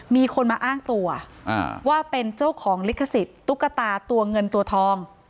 มีคนมาอ้างตัวว่าเป็นเจ้าของลิขสิทธิ์ตุ๊กตาตัวเงินตัวทอง